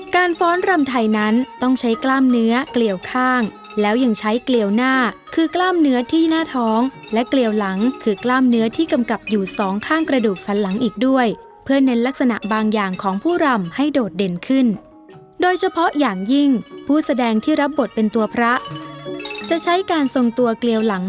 ฟ้อนรำไทยนั้นต้องใช้กล้ามเนื้อเกลียวข้างแล้วยังใช้เกลียวหน้าคือกล้ามเนื้อที่หน้าท้องและเกลียวหลังคือกล้ามเนื้อที่กำกับอยู่สองข้างกระดูกสันหลังอีกด้วยเพื่อเน้นลักษณะบางอย่างของผู้รำให้โดดเด่นขึ้นโดยเฉพาะอย่างยิ่งผู้แสดงที่รับบทเป็นตัวพระจะใช้การทรงตัวเกลียวหลัง